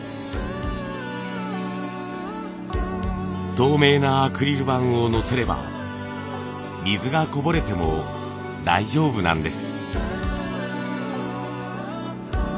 透明なアクリル板を載せれば水がこぼれても大丈夫なんです。